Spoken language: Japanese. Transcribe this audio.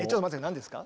何ですか？